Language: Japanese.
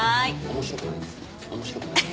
面白くないです。